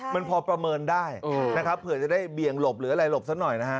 มันพอประเมินได้นะครับเผื่อจะได้เบี่ยงหลบหรืออะไรหลบซะหน่อยนะฮะ